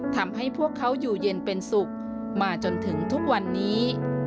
ทำให้พวกเขาอยู่เย็นเป็นสุขมาจนถึงทุกวันนี้